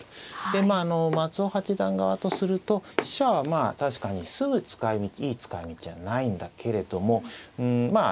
でまあ松尾八段側とすると飛車はまあ確かにすぐいい使いみちはないんだけれどもうんまあ